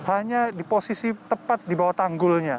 itu adalah posisi tepat di bawah tanggulnya